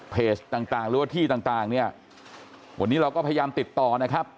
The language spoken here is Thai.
ต่างต่างหรือว่าที่ต่างเนี่ยวันนี้เราก็พยายามติดต่อนะครับ